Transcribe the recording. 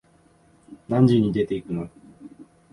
何時に出てくの？